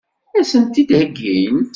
Ad sent-t-id-heggint?